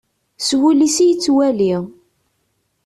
S wul-is i yettwali.